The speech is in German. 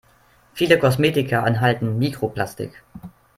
Viele Kosmetika enthalten Mikroplastik.